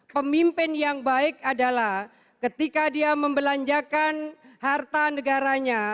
pemimpin yang baik adalah ketika dia membelanjakan harta negaranya